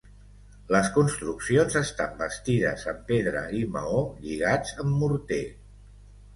Les construccions estan bastides amb pedra i maó lligats amb morter.